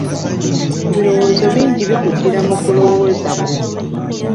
Ebirowoozo bingi bikujjira mu kulowooza gwo.